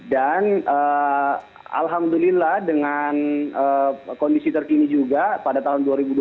dan alhamdulillah dengan kondisi terkini juga pada tahun dua ribu dua puluh